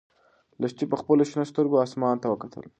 لښتې په خپلو شنه سترګو اسمان ته وکتل.